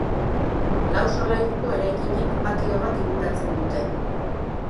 Lau solairuko eraikinek patio bat inguratzen dute.